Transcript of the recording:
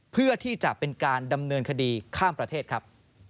เพื่อที่จะเป็นการดำเนินคดีข้ามประเทศครับ